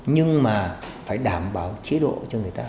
nhưng mà phải đảm bảo chế độ cho người ta